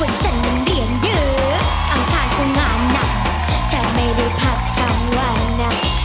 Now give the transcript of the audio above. วันจันทร์มันเหรียญเยอะอังคารกว่างานนั้นฉันไม่ได้พักทั้งวัน